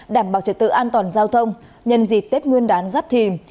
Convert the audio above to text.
đảm bảo trật tự an toàn giao thông nhân dịp tết nguyên đán giáp thìm